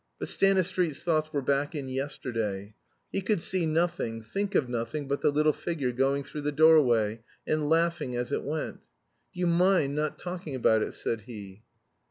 But Stanistreet's thoughts were back in yesterday. He could see nothing, think of nothing but the little figure going through the doorway, and laughing as it went. "Do you mind not talking about it?" said he.